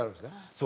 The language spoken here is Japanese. そう。